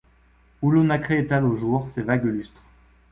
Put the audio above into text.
Où l’eau nacrée étale au jour ses vagues lustres ;